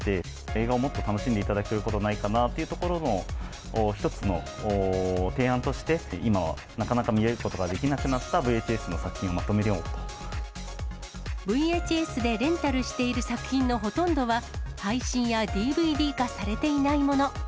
映画をもっと楽しんでいただけることはないかなということの、一つの提案として、今はなかなか見れることができなくなったＶＨＳの作品をまとめよＶＨＳでレンタルしている作品のほとんどは、配信やＤＶＤ化されていないもの。